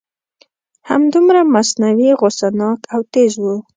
همدومره مصنوعي غصه ناک او تیز و.